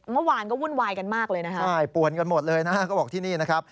เมื่อวานก็หุ้นวายกันมากเลยนะ